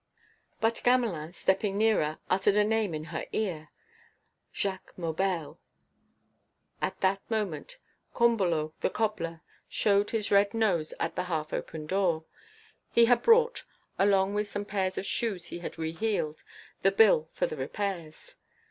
But Gamelin, stepping nearer, uttered a name in her ear: "Jacques Maubel...." At that moment Combalot the cobbler showed his red nose at the half open door. He had brought, along with some pairs of shoes he had re heeled, the bill for the repairs.